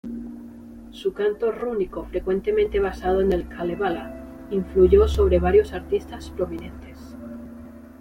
Su canto rúnico frecuentemente basado en el Kalevala influyó sobre varios artistas prominentes.